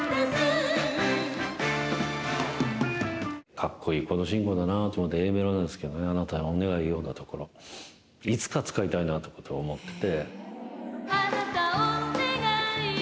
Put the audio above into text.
かっこいいコード進行だなと思って、Ａメロなんですけど、あなたお願いよのところ、いつか使いたいなと思って。